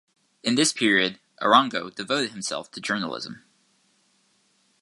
In this period, Arango devoted himself to journalism.